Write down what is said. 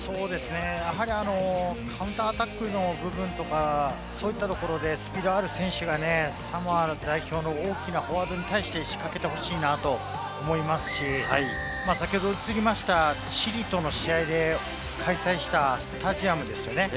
やはりカウンターアタックの部分とか、そういったところでスピードがある選手がサモア代表の大きなフォワードに対して仕掛けてほしいなと思いますし、先ほど映りました、チリとの試合で開催したスタジアムですよね。